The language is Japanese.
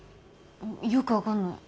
よく分かんない。